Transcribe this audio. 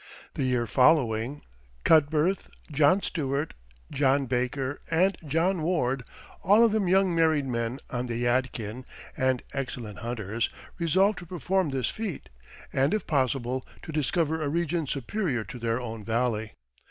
The year following, Cutbirth, John Stuart, John Baker, and John Ward, all of them young married men on the Yadkin, and excellent hunters, resolved to perform this feat, and if possible to discover a region superior to their own valley.